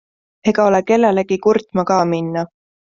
Ega ole kellelegi kurtma ka minna.